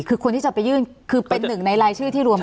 คือคนที่จะไปยื่นคือเป็นหนึ่งในรายชื่อที่รวม